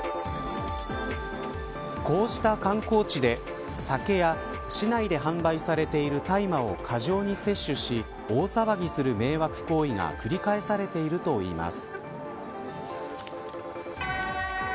こうした観光地で酒や市内で販売されている大麻を過剰に摂取し大騒ぎする迷惑行為が繰り返されているといいます。